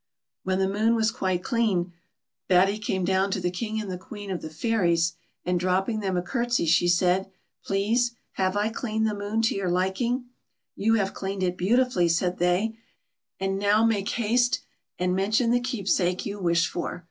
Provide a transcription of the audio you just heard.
When the moon was quite clean. Batty came down to the King and the Queen of the Fairies, and dropping them a curtsey, she said, " Please, have I cleaned the moon to your liking 1 "" You have cleaned it beautifully," said they, " and now make haste and mention the keepsake you wish BAT7Y. 211 for.